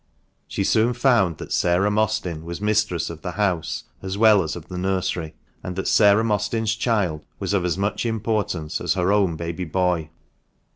She soon found that Sarah Mostyn was mistress of the house as well as of the nursery, and that Sarah Mostyn's child was ot as much importance as her own baby boy.